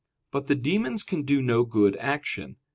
But the demons can do no good action.